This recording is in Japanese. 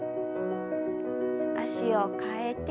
脚を替えて。